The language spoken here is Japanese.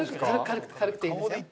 軽く軽くていいんですよ。